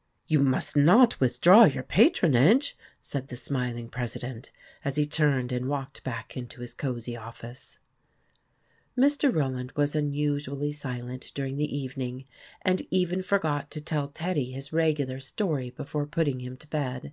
" You must not withdraw your patronage," said the smiling president, as he turned and walked back into his cozy office. Mr. Rowland was unusually silent during the evening, and even forgot to tell Teddy his regular story before putting him to bed.